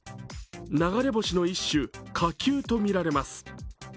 流れ星の一種・火球とみられます。